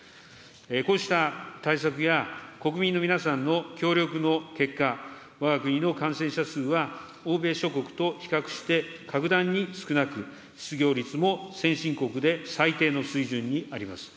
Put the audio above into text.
こうした対策や国民の皆さんの協力の結果、わが国の感染者数は欧米諸国と比較して、格段に少なく、失業率も先進国で最低の水準にあります。